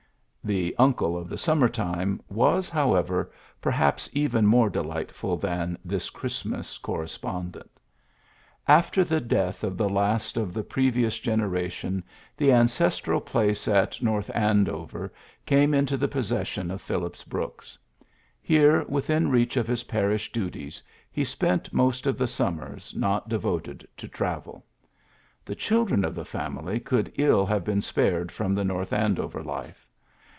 The uncle of the summer time was, however, perhaps even more delight ful than this Christmas correspondent. PHILLIPS BKOOKS 91 After the death of the last of the previ ous generation the ancestral place at North Andover came into the possession of Phillips Brooks. Here, within reach of his parish duties, he spent most of the summers not devoted to travel. The children of the family could ill have been spared from the North Andover life.